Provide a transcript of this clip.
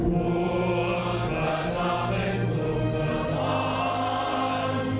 พวกกระจ่าเป็นสุขสันต์